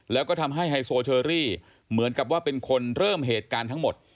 แล้วก็ทำให้ไฮโซเชอรี่เหมือนกับว่าเป็นคนเริ่มเหตุการณ์ทั้งหมด